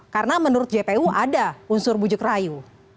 karena menurut jpu ada unsur bujuk rayu